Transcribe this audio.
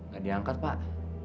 gak diangkat pak